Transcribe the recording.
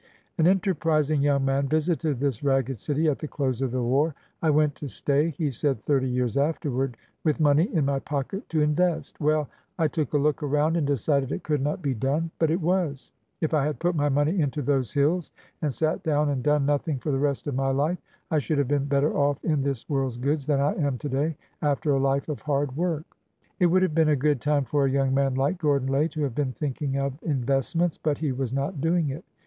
An enterprising young man visited this ragged city at the close of the war. '' I went to stay," he said thirty years afterward, with money in my pocket to invest. Well! I took a look around and decided it could not be done. But it was! If I had put my money into those hills and sat down and done nothing for the rest of my life, I should have been better off in this world's goods than I am to day after a life of hard work." It would have been a good time for a young man like Gordon Lay to have been thinking of investments, but he was not doing it.